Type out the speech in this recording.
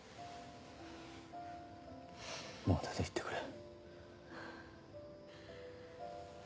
もう出て行ってくれ。